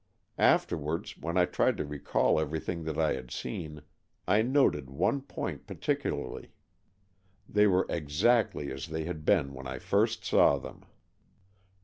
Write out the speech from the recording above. Afterwards, when I tried to recall everything that I had seen, I noted one point particu larly. They were exactly as they had been when I first saw them.